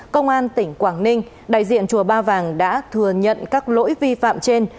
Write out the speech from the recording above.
công an tỉnh quảng ninh đại diện chùa ba vàng đã thừa nhận các lỗi vi phạm trên